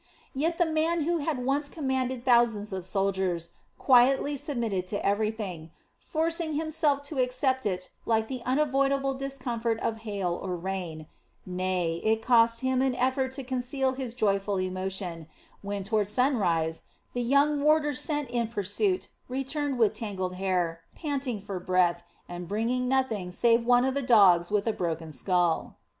Yet the man who had once commanded thousands of soldiers quietly submitted to everything, forcing himself to accept it like the unavoidable discomfort of hail or rain; nay, it cost him an effort to conceal his joyful emotion when, toward sunrise, the young warders sent in pursuit returned with tangled hair, panting for breath, and bringing nothing save one of the dogs with a broken skull.